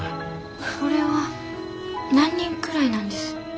ほれは何人くらいなんです？